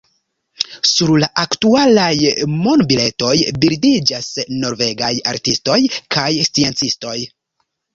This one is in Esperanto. Sur la aktualaj monbiletoj bildiĝas norvegaj artistoj kaj sciencistoj.